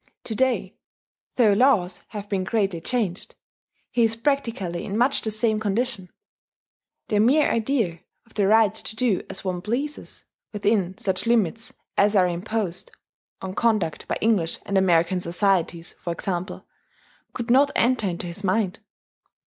To day, though laws have been greatly changed, he is practically in much the same condition. The mere idea of the right to do as one pleases (within such limits as are imposed on conduct by English and American societies, for example) could not enter into his mind.